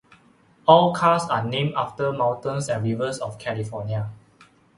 All cars are named after mountains and rivers of California.